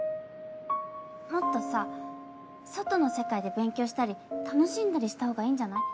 もっとさ外の世界で勉強したり楽しんだりした方がいいんじゃない？